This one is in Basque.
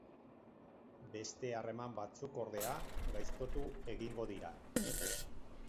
Beste harreman batzuk, ordea, gaiztotu egingo dira.